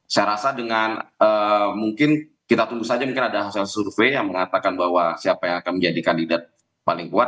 saya rasa dengan mungkin kita tunggu saja mungkin ada hasil survei yang mengatakan bahwa siapa yang akan menjadi kandidat paling kuat